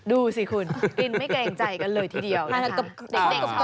ดูสิคุณกินไม่เกรงใจกันเลยทีเดียว